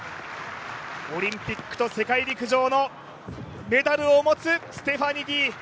オリンピックと世界陸上のメダルを持つステファニディ。